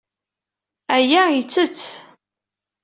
Aya yettett.